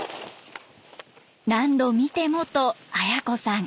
「何度見ても」と綾子さん。